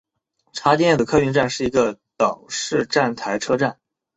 茶店子客运站是一个岛式站台车站。